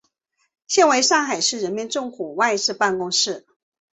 现为上海市人民政府外事办公室。